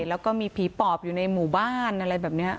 แล้วก็มีผีปอบอยู่ในหมู่บ้านอะไรแบบนี้